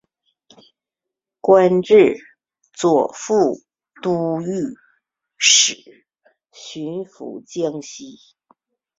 官至左副都御史巡抚江西。